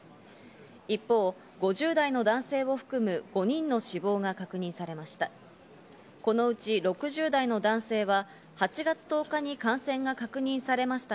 一方、５０代の男性を含む５人の死亡が確認されました。